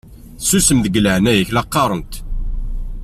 Susem deg leɛnaya-k la qqaṛent!